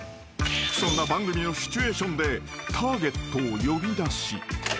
［そんな番組のシチュエーションでターゲットを呼び出し］